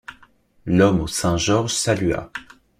L’homme au saint Georges salua.